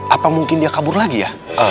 apa mungkin dia kabur lagi ya